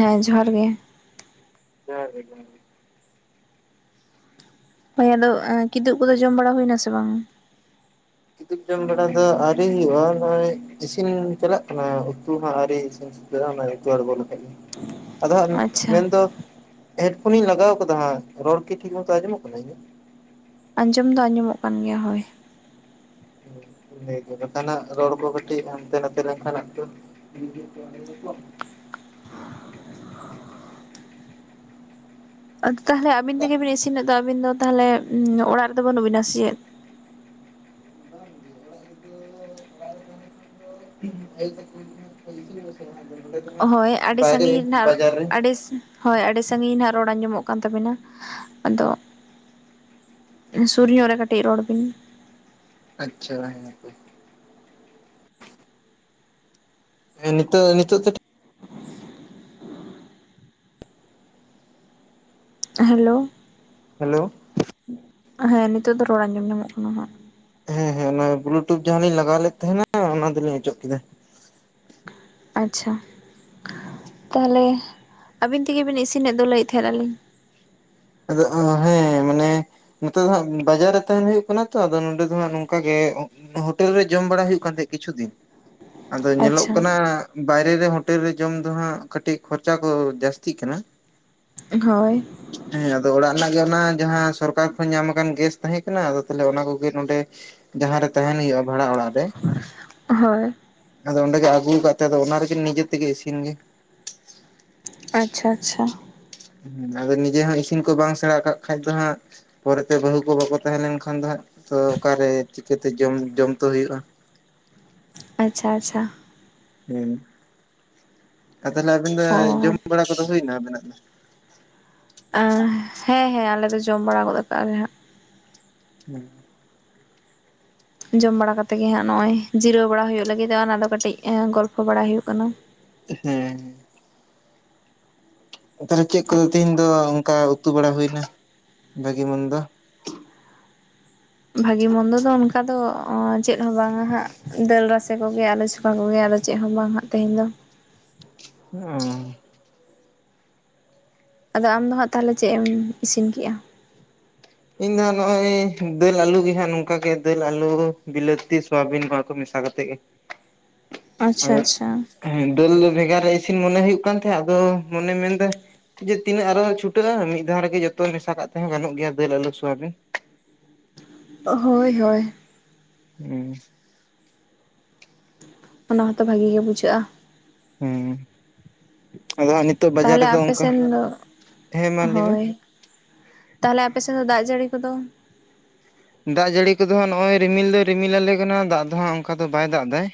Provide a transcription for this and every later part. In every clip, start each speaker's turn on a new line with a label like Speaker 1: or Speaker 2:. Speaker 1: ᱦᱮᱸ ᱡᱚᱦᱟᱨ ᱜᱮ᱾
Speaker 2: ᱡᱚᱦᱟᱨ ᱜᱮ᱾
Speaker 1: ᱦᱚ ᱟᱫᱚ ᱠᱤᱫᱩᱵ ᱠᱚᱫᱚ ᱡᱚᱢ ᱵᱟᱲᱟ ᱦᱩᱭ ᱱᱟᱥᱮ ᱵᱟᱝ?
Speaker 2: ᱠᱤᱫᱩᱵ ᱡᱚᱢ ᱵᱟᱲᱟ ᱫᱚ ᱟᱹᱣᱨᱤ ᱦᱩᱭᱩᱜᱼᱟ ᱱᱚᱜᱼᱚᱭ ᱤᱥᱤᱱ ᱪᱟᱞᱟᱜ ᱠᱟᱱᱟ ᱩᱛᱩ ᱢᱟ ᱟᱹᱣᱨᱤ ᱤᱥᱤᱱ ᱡᱚᱢ ᱵᱚᱞ [unintelligible] ᱟᱫᱚ ᱦᱟᱸᱜ
Speaker 1: ᱟᱪᱪᱷᱟ
Speaker 2: ᱢᱮᱱᱫᱚ ᱦᱮᱰ ᱯᱷᱳᱱᱤᱧ ᱞᱟᱜᱟᱣ ᱟᱠᱟᱫᱟ ᱦᱟᱸᱜ ᱨᱚᱲ ᱠᱤ ᱴᱷᱤᱠ ᱢᱚᱛᱚ ᱟᱸᱡᱚᱢᱚᱜ ᱠᱟᱱᱟ ᱤᱧᱟᱜ ᱾
Speaker 1: ᱟᱸᱡᱚᱢᱚᱜ ᱫᱚ ᱟᱡᱚᱢᱚᱜ ᱠᱟᱱ ᱜᱮᱭᱟ ᱦᱳᱭ᱾
Speaker 2: ᱤᱱᱟᱹ ᱜᱮ ᱵᱟᱠᱷᱟᱱ ᱦᱟᱸᱜ ᱨᱚᱲ ᱠᱚ ᱠᱟᱹᱴᱤᱡ ᱦᱟᱱᱛᱮ ᱱᱟᱛᱮ ᱞᱮᱱᱠᱷᱟᱱ [unintelligible]
Speaker 1: ᱟᱫᱚ ᱛᱟᱦᱚᱞᱮ ᱟᱹᱵᱤᱱ ᱛᱮᱜᱮ ᱵᱤᱱ ᱤᱥᱤᱱᱮᱫ ᱫᱚ ᱟᱹᱵᱤᱱ ᱫᱚ ᱛᱟᱦᱚᱞᱮ ᱚᱲᱟᱜ ᱨᱮᱫᱚ ᱵᱟᱹᱱᱩᱜ ᱵᱤᱱᱟ ᱥᱮ ᱪᱮᱫ?
Speaker 2: [unintelligible] [unintelligible] ᱵᱟᱭᱨᱮ ᱵᱟᱡᱟᱨ ᱨᱮ᱾
Speaker 1: ᱵᱮᱥ ᱦᱳᱭ ᱟᱹᱰᱤ ᱥᱟᱺᱜᱤᱧ ᱱᱟᱸᱦᱚᱜ ᱨᱚᱲ ᱟᱸᱡᱚᱢᱚᱜ ᱠᱟᱱ ᱛᱟᱵᱤᱱᱟ ᱟᱫᱚ ᱥᱩᱨ ᱧᱚᱜ ᱨᱮ ᱠᱟᱹᱴᱤᱡ ᱨᱚᱲ ᱵᱤᱱ᱾
Speaker 2: ᱟᱪᱪᱷᱟ ᱦᱮ ᱱᱤᱛᱚᱜ ᱱᱤᱛᱚᱜ
Speaker 1: ᱦᱮᱞᱳ,
Speaker 2: ᱦᱮᱞᱳ,
Speaker 1: ᱦᱮᱸ ᱱᱤᱛᱚᱜ ᱫᱚ ᱨᱚᱲ ᱟᱸᱡᱚᱢ ᱧᱟᱢᱚᱜ ᱠᱟᱱᱟ ᱦᱟᱸᱜ᱾
Speaker 2: ᱦᱮᱸ ᱦᱮᱸ ᱚᱱᱟ ᱵᱞᱩᱴᱩᱛ ᱡᱟᱦᱟᱸ ᱞᱤᱧ ᱞᱟᱜᱟᱣ ᱞᱮᱫ ᱛᱟᱦᱮᱸᱱᱟ ᱚᱱᱟ ᱫᱚᱞᱤᱧ ᱚᱪᱚᱜ ᱠᱮᱫᱟ᱾
Speaker 1: ᱟᱪᱪᱷᱟ ᱛᱟᱦᱚᱞᱮ ᱟᱹᱵᱤᱱ ᱛᱮᱜᱮ ᱵᱤᱱ ᱤᱥᱤᱱᱮᱫ ᱫᱚᱩ ᱞᱟᱹᱭᱮᱫ ᱛᱟᱦᱮᱸᱫ ᱞᱤᱧ᱾
Speaker 2: ᱟᱫᱚ ᱦᱮᱸ ᱢᱟᱱᱮ ᱱᱮᱛᱚᱜ ᱫᱚ ᱦᱟᱸᱜ ᱵᱟᱡᱟᱨ ᱨᱮ ᱛᱟᱦᱮᱱ ᱦᱚᱭᱳᱜ ᱠᱟᱱᱟ ᱛᱚ ᱟᱫᱚ ᱱᱚᱰᱮ ᱫᱚ ᱦᱟᱸᱜ ᱱᱚᱝᱠᱟ ᱜᱮ᱾ ᱦᱳᱴᱮᱞ ᱨᱮ ᱡᱚᱢ ᱵᱟᱲᱟ ᱦᱩᱭᱩᱜ ᱠᱟᱱ ᱛᱟᱦᱮᱸᱫ ᱠᱤᱪᱷᱩ ᱫᱤᱱ᱾ ᱟᱫᱚ ᱧᱮᱞᱚᱜ
Speaker 1: ᱟᱪᱪᱷᱟ
Speaker 2: ᱠᱟᱱᱟ ᱵᱟᱭᱨᱮ ᱨᱮ ᱦᱳᱴᱮᱞ ᱨᱮ ᱡᱚᱢ ᱫᱚ ᱦᱟᱸᱜ ᱠᱟᱹᱴᱤᱡ ᱠᱷᱚᱨᱪᱟ ᱠᱚ ᱡᱟᱹᱥᱛᱤᱜ ᱠᱟᱱᱟ᱾
Speaker 1: ᱦᱳᱭ᱾
Speaker 2: ᱦᱮᱸ ᱟᱫᱚ ᱚᱲᱟᱜ ᱨᱮᱱᱟᱜ ᱜᱮ ᱚᱱᱟ ᱡᱟᱦᱟᱸ ᱥᱚᱨᱠᱟᱨ ᱠᱷᱚᱱ ᱧᱟᱢ ᱟᱠᱟᱱ ᱜᱮᱥ ᱛᱟᱦᱮᱸ ᱠᱟᱱᱟ ᱟᱫᱚ ᱛᱟᱦᱞᱮ ᱚᱱᱟ ᱠᱚᱜᱮ ᱱᱚᱰᱮ ᱡᱟᱦᱟᱸ ᱨᱮ ᱛᱟᱦᱮᱱ ᱦᱩᱭᱩᱜᱼᱟ ᱵᱷᱟᱲᱟ ᱚᱲᱟᱜ ᱨᱮ᱾
Speaker 1: ᱦᱳᱭ
Speaker 2: ᱟᱫᱚ ᱚᱸᱰᱮ ᱜᱮ ᱟᱹᱜᱩ ᱠᱟᱛᱮ ᱟᱫᱚ ᱚᱱᱟ ᱨᱮᱜᱮ ᱱᱤᱡᱮ ᱛᱮᱜᱮ ᱤᱥᱤᱱ ᱜᱮ
Speaker 1: ᱟᱪᱪᱷᱟ ᱟᱪᱪᱷᱟ᱾
Speaker 2: ᱦᱮᱸ ᱟᱫᱚ ᱱᱤᱡᱮ ᱦᱚᱸ ᱤᱥᱤᱱ ᱠᱚ ᱵᱟᱝ ᱥᱮᱬᱟ ᱠᱟᱜ ᱠᱷᱟᱡ ᱫᱚ ᱦᱟᱸᱜ ᱯᱚᱨᱮᱛᱮ ᱵᱟᱹᱦᱩ ᱠᱚ ᱵᱟᱠᱚ ᱛᱟᱦᱮᱸ ᱞᱮᱱ ᱠᱷᱟᱱ ᱫᱚ ᱦᱟᱸᱜ ᱛᱚ ᱚᱠᱟᱨᱮ ᱪᱤᱠᱟᱹᱛᱮ ᱡᱚᱢ ᱡᱚᱢ ᱛᱚ ᱦᱩᱭᱩᱜᱼᱟ᱾
Speaker 1: ᱟᱪᱪᱷᱟ ᱟᱪᱪᱷᱟ᱾
Speaker 2: ᱦᱩᱸ᱾ ᱟᱨ ᱛᱟᱦᱚᱞᱮ ᱟᱵᱤᱱ ᱫᱚ
Speaker 1: ᱚ
Speaker 2: ᱡᱚᱢ ᱵᱟᱲᱟ ᱠᱚᱫᱚ ᱦᱩᱭᱱᱟ ᱟᱵᱤᱱᱟᱜ ᱫᱚ
Speaker 1: ᱦᱮᱸ ᱦᱮᱸ ᱟᱞᱮ ᱫᱚ ᱡᱚᱢ ᱵᱟᱲᱟ ᱜᱚᱫ ᱠᱟᱜ ᱞᱮ ᱦᱟᱸᱜ᱾
Speaker 2: ᱦᱩᱸ᱾
Speaker 1: ᱡᱚᱢ ᱵᱟᱲᱟ ᱠᱟᱛᱮᱜ ᱜᱮ ᱦᱟᱸᱜ ᱱᱚᱜᱼᱚᱭ ᱡᱤᱨᱟᱹᱣ ᱵᱟᱲᱟ ᱦᱩᱭᱩᱜ ᱞᱟᱹᱜᱤᱫᱚᱜᱼᱟ᱾ ᱚᱱᱟ ᱫᱚ ᱠᱟᱹᱴᱤᱡ ᱜᱚᱞᱯᱚ ᱵᱟᱲᱟ ᱦᱩᱭᱩᱜ ᱠᱟᱱᱟ᱾
Speaker 2: ᱦᱮᱸ᱾ ᱛᱟᱦᱚᱞᱮ ᱪᱮᱫ ᱠᱚᱫᱚ ᱛᱮᱦᱤᱧ ᱫᱚ ᱚᱝᱠᱟ ᱩᱛᱩ ᱵᱟᱲᱟ ᱦᱩᱭ ᱱᱟ ᱵᱷᱟᱜᱤ ᱢᱚᱱᱫᱚ᱾
Speaker 1: ᱵᱷᱟᱜᱤ ᱢᱚᱱᱫᱚ ᱫᱚ ᱚᱱᱠᱟ ᱫᱚ ᱪᱮᱫ ᱦᱚᱸ ᱵᱟᱝᱟ ᱦᱟᱸᱜ ᱫᱟᱹᱞ ᱨᱟᱥᱮ ᱠᱚᱜᱮ ᱟᱞᱚ ᱪᱚᱠᱟ ᱠᱚᱜᱮ ᱟᱞᱚ ᱪᱮᱫ ᱦᱚᱸ ᱵᱟᱝ ᱦᱟᱜ ᱛᱮᱦᱮᱧ ᱫᱚ᱾
Speaker 2: ᱚᱸ᱾
Speaker 1: ᱟᱫᱚ ᱟᱢ ᱫᱚ ᱦᱟᱸᱜ ᱛᱟᱦᱚᱞᱮ ᱪᱮᱫ ᱮᱢ ᱤᱥᱤᱱ ᱠᱮᱜᱼᱟ?
Speaker 2: ᱤᱧ ᱫᱚᱜ ᱱᱚᱜᱼᱚᱭ ᱫᱟᱹᱞ ᱟᱞᱩ ᱜᱮᱦᱟᱸᱜ ᱱᱚᱝᱠᱟ ᱜᱮ ᱫᱟᱹᱞ ᱟᱞᱩ ᱵᱤᱞᱟᱹᱛᱤ ᱥᱳᱣᱟᱵᱤᱱ ᱱᱚᱣᱟ ᱠᱚ ᱢᱤᱥᱟ ᱠᱟᱛᱮ ᱜᱮ
Speaker 1: ᱟᱪᱪᱷᱟ
Speaker 2: ᱟᱫᱚ
Speaker 1: ᱟᱪᱪᱷᱟ᱾
Speaker 2: ᱦᱮᱸ ᱫᱟᱹᱞ ᱫᱚ ᱵᱷᱮᱜᱟᱨ ᱨᱮ ᱤᱥᱤᱱ ᱢᱚᱱᱮ ᱦᱩᱭᱩᱜ ᱠᱟᱱ ᱛᱟᱦᱮᱸᱫ ᱟᱫᱚ ᱢᱚᱱᱮ ᱢᱮᱱ ᱫᱟᱭ ᱡᱮ ᱛᱤᱱᱟᱹᱜ ᱟᱨᱚᱸ ᱪᱷᱩᱴᱟᱹᱜᱼᱟ᱾ ᱢᱤᱫ ᱫᱷᱟᱣ ᱨᱮᱜᱮ ᱡᱚᱛᱚ ᱢᱮᱥᱟ ᱠᱟᱜ ᱛᱮᱦᱚᱸ ᱜᱟᱱᱚᱜ ᱜᱮᱭᱟ ᱫᱟᱹᱞ ᱟᱞᱩ ᱥᱚᱣᱟᱵᱤᱱ᱾
Speaker 1: ᱦᱳᱭ ᱦᱳᱭ᱾
Speaker 2: ᱦᱩᱸ
Speaker 1: ᱚᱱᱟ ᱦᱚᱸᱛᱚ ᱵᱷᱟᱜᱤ ᱜᱮ ᱵᱩᱡᱷᱟᱹᱜᱼᱟ᱾
Speaker 2: ᱦᱩᱸ ᱟᱫᱚ ᱦᱟᱸᱜ ᱱᱤᱛᱚᱜ ᱵᱟᱡᱟᱨ
Speaker 1: ᱛᱟᱦᱚᱞᱮ
Speaker 2: ᱨᱮᱫᱚ
Speaker 1: ᱟᱯᱮ
Speaker 2: ᱚᱝᱠᱟ
Speaker 1: ᱥᱮᱱ ᱫᱚ
Speaker 2: ᱦᱮᱸ ᱢᱟ ᱞᱟᱹᱭᱵᱮᱱ
Speaker 1: ᱦᱳᱭ ᱛᱟᱦᱚᱞᱮ ᱟᱯᱮ ᱥᱮᱫ ᱫᱚ ᱫᱟᱜ ᱡᱟᱹᱲᱤ ᱠᱚᱫᱚ
Speaker 2: ᱫᱟᱜ ᱡᱟᱲᱤ ᱠᱚᱫᱚ ᱦᱟᱜ ᱱᱚᱜ-ᱚᱭ ᱨᱤᱢᱤᱞ ᱫᱚᱭ ᱨᱤᱢᱤᱞ ᱟᱞᱮ ᱠᱟᱱᱟ ᱫᱟᱜ ᱫᱚ ᱦᱟᱸᱜ ᱚᱱᱠᱟ ᱫᱚ ᱵᱟᱭ ᱫᱟᱜ ᱫᱟᱭ᱾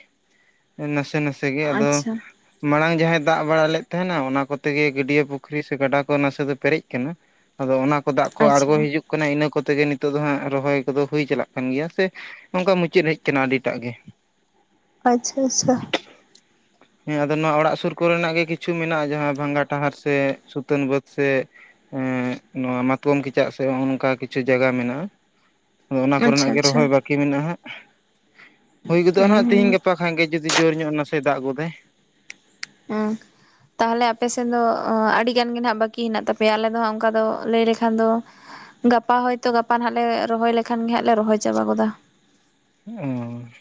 Speaker 2: ᱱᱟᱥᱮ ᱱᱟᱥᱮ ᱜᱮ ᱟᱫᱚ
Speaker 1: ᱟᱪᱪᱷᱟ
Speaker 2: ᱢᱟᱲᱟᱝ ᱡᱟᱦᱟᱸᱭ ᱫᱟᱜ ᱵᱟᱲᱟ ᱞᱮᱫ ᱛᱟᱦᱮᱱᱟ ᱚᱱᱟ ᱠᱚᱛᱮ ᱜᱮ ᱜᱟᱹᱰᱭᱟᱹ ᱯᱩᱠᱷᱨᱤ ᱥᱮ ᱜᱟᱰᱟ ᱠᱚ ᱱᱟᱥᱮ ᱫᱚ ᱯᱮᱨᱮᱡ ᱠᱟᱱᱟ᱾ ᱟᱫᱚ ᱚᱱᱟ ᱠᱚ ᱫᱟᱜ ᱠᱚ
Speaker 1: ᱟᱪᱪᱷᱟ
Speaker 2: ᱟᱬᱜᱚ ᱦᱤᱡᱩᱜ ᱠᱟᱱᱟ ᱤᱱᱟᱹ ᱠᱚᱛᱮ ᱜᱮ ᱱᱤᱛᱚᱜ ᱫᱚ ᱦᱟᱸᱜ ᱨᱚᱦᱚᱭ ᱠᱚᱫᱚ ᱦᱩᱭ ᱪᱟᱞᱟᱜ ᱠᱟᱱ ᱜᱮᱭᱟ ᱥᱮ ᱚᱝᱠᱟ ᱢᱩᱪᱟᱹᱫ ᱦᱮᱡ ᱠᱟᱱᱟ ᱟᱰᱤ ᱴᱟᱜ ᱜᱮ᱾
Speaker 1: ᱟᱪᱪᱷᱟ ᱟᱪᱪᱷᱟ᱾
Speaker 2: [inaudible] ᱦᱮᱸ ᱟᱫᱚ ᱱᱚᱣᱟ ᱚᱲᱟᱜ ᱥᱩᱨ ᱠᱚᱨᱮᱱᱟᱜ ᱜᱮ ᱠᱤᱪᱷᱩ ᱢᱮᱱᱟᱜᱼᱟ᱾ ᱡᱟᱦᱟᱸ ᱵᱷᱟᱸᱝᱜᱟ ᱴᱟᱦᱟᱨ ᱥᱮ ᱥᱩᱛᱟᱹᱱ ᱵᱟᱹᱫ ᱥᱮ ᱦᱮᱸ ᱱᱚᱣᱟ ᱢᱟᱛᱠᱚᱢ ᱠᱮᱪᱟᱜ ᱥᱮ ᱦᱚᱸᱜᱼᱚ ᱱᱚᱝᱠᱟ ᱠᱤᱪᱷᱩ ᱡᱟᱭᱜᱟ ᱢᱮᱱᱟᱜᱼᱟ᱾ ᱟᱫᱚ ᱚᱱᱟ
Speaker 1: ᱟᱪᱪᱷᱟ
Speaker 2: ᱠᱚᱨᱮᱱᱟᱜ ᱜᱮ
Speaker 1: ᱟᱪᱪᱷᱟ
Speaker 2: ᱨᱚᱦᱚᱭ ᱵᱟᱹᱠᱤ ᱢᱮᱱᱟᱜᱼᱟ᱾ ᱦᱟᱸᱜ ᱦᱩᱭ ᱜᱚᱫᱚᱜᱼᱟ ᱱᱟᱦᱟᱜ ᱛᱤᱦᱤᱧ
Speaker 1: ᱦᱩᱸ
Speaker 2: ᱜᱟᱯᱟ ᱵᱟᱠᱷᱟᱱ ᱜᱮ ᱡᱩᱫᱤ ᱡᱳᱨ ᱧᱚᱜ ᱱᱟᱥᱮᱭ ᱫᱟᱜ ᱜᱚᱫᱟᱭ
Speaker 1: ᱦᱮᱸ ᱛᱟᱦᱚᱞᱮ ᱟᱯᱮ ᱥᱮᱱ ᱫᱚ ᱟᱰᱤᱜᱟᱱ ᱜᱮ ᱱᱷᱟᱸᱜ ᱵᱟᱠᱤ ᱦᱮᱱᱟᱜ ᱛᱟᱯᱮᱭᱟ ᱟᱞᱮ ᱫᱚ ᱦᱟᱸᱜ ᱚᱝᱠᱟ ᱫᱚ ᱞᱟᱹᱭ ᱞᱮᱠᱷᱟᱱ ᱫᱚ ᱜᱟᱯᱟ ᱦᱚᱭᱛᱚ ᱜᱟᱯᱟ ᱱᱷᱟᱜ ᱞᱮ ᱨᱚᱦᱚᱭ ᱞᱮᱠᱷᱟᱱ ᱜᱮ ᱦᱟᱸᱜ ᱞᱮ ᱨᱚᱦᱚᱭ ᱪᱟᱵᱟ ᱜᱚᱫᱟ᱾
Speaker 2: ᱚᱸᱻ